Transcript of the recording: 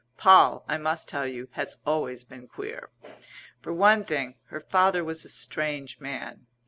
Poll, I must tell you, has always been queer. For one thing her father was a strange man.